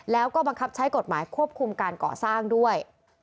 แล้วก็บังคับใช้กฎหมายควบคุมการก่อสร้างด้วย